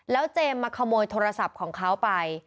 เจมส์มาขโมยโทรศัพท์ของเขาไป